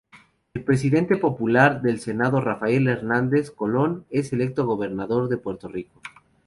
El Presidente popular del Senado, Rafael Hernández Colón es electo gobernador de Puerto Rico.